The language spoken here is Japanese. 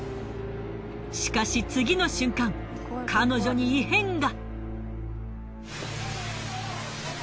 しかし次の瞬間彼女に異変が。